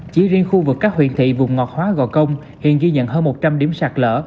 chỉ riêng khu vực các huyện thị vùng ngọt hóa gò công hiện ghi nhận hơn một trăm linh điểm sạt lỡ